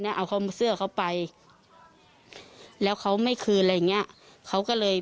เอาเขามาเสื้อเขาไปแล้วเขาไม่คืนอะไรอย่างเงี้ย